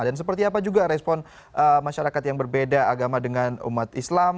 dan seperti apa juga respon masyarakat yang berbeda agama dengan umat islam